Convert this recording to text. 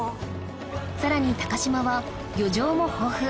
さらに高島は漁場も豊富